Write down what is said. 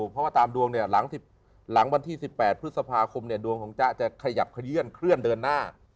เพราะว่าตามดวงเนี่ยหลังวันที่๑๘พฤษภาคมเนี่ยดวงของจ๊ะจะขยับขยื่นเคลื่อนเดินหน้า